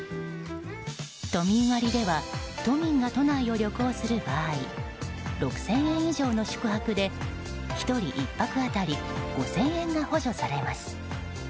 都民割では都民が都内を旅行する場合６０００円以上の宿泊で１人１泊当たり５０００円が補助されます。